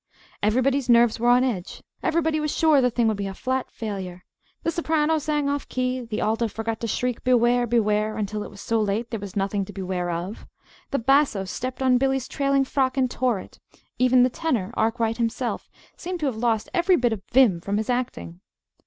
Everybody's nerves were on edge, everybody was sure the thing would be a "flat failure." The soprano sang off the key, the alto forgot to shriek "Beware, beware!" until it was so late there was nothing to beware of; the basso stepped on Billy's trailing frock and tore it; even the tenor, Arkwright himself, seemed to have lost every bit of vim from his acting.